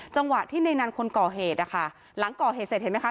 จังหวะที่ในนั้นคนก่อเหตุนะคะหลังก่อเหตุเสร็จเห็นไหมคะ